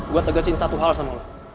gue tegasin satu hal sama